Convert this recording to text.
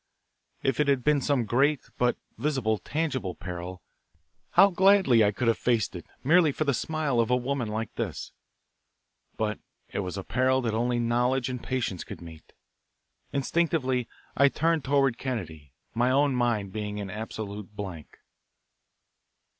If it had been some great, but visible, tangible peril how gladly I could have faced it merely for the smile of a woman like this. But it was a peril that only knowledge and patience could meet. Instinctively I turned toward Kennedy, my own mind being an absolute blank.